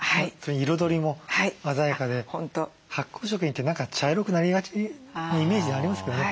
彩りも鮮やかで発酵食品って何か茶色くなりがちなイメージがありますけどね。